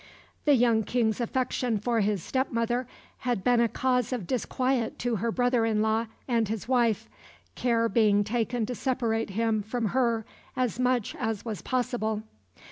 The young King's affection for his step mother had been a cause of disquiet to her brother in law and his wife, care being taken to separate him from her as much as was possible.